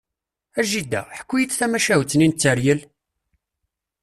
A jida, ḥku-iyi-d tamacahut-nni n teryel!